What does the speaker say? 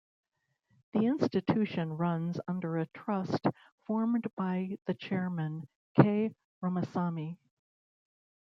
The institution runs under a trust formed by the chairman K. Ramasamy.